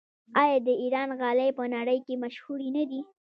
آیا د ایران غالۍ په نړۍ کې مشهورې نه دي؟